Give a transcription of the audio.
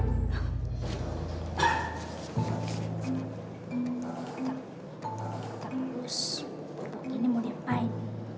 ust bubuk ini mau nyapain